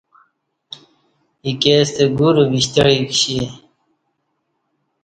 ایکے ستہ گورہ وِشتعی کشی